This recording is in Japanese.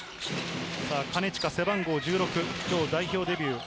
金近、背番号１６、今日代表デビュー。